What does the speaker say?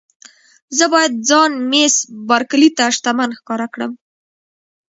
زه باید ځان مېس بارکلي ته شتمن ښکاره کړم.